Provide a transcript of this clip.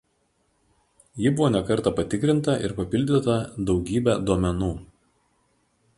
Ji buvo ne kartą patikrinta ir papildyta daugybe duomenų.